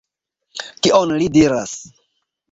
Kion li diras?